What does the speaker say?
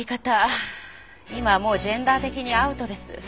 今はもうジェンダー的にアウトです。